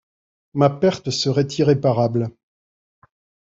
Ma perte serait irréparable.